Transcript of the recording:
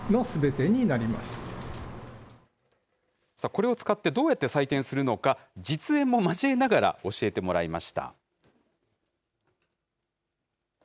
これを使って、どうやって採点するのか、実演も交えながら教えてもらいました。